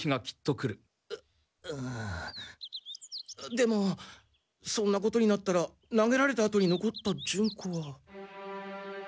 でもそんなことになったら投げられたあとに残ったジュンコは。